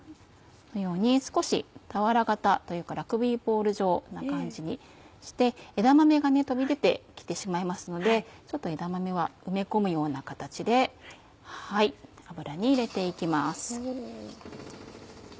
このように少し俵形というかラグビーボール状な感じにして枝豆が飛び出て来てしまいますので枝豆は埋め込むような形で油に入れて行きます。